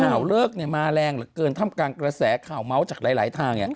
ข่าวเลิกมาแรงเหลือเกินทำกลางกระแสข่าวเมาส์จากหลายทาง